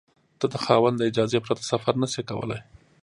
ته د خاوند له اجازې پرته سفر نشې کولای.